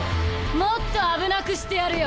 もっと危なくしてやるよ。